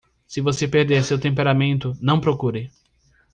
Se você perder seu temperamento,? não procure.